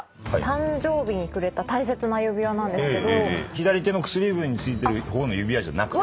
左手の薬指に着いてる方の指輪じゃなくて？